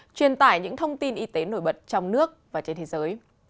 truyền tải những thông tin y tế nổi bật trong nước và trên thế giới